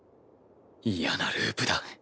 嫌なループだ。